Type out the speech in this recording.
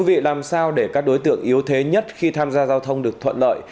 thưa quý vị làm sao để các đối tượng yếu thế nhất khi tham gia giao thông được thuận lợi